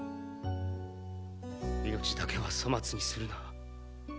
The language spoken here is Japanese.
巴命だけは粗末にするな。